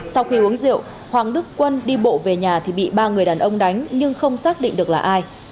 sau khi uống rượu hoàng đức quân đi bộ về nhà thì bị ba người đàn ông đánh nhưng không xác định được là ai